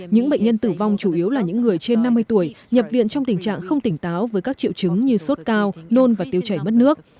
những bệnh nhân tử vong chủ yếu là những người trên năm mươi tuổi nhập viện trong tình trạng không tỉnh táo với các triệu chứng như sốt cao nôn và tiêu chảy mất nước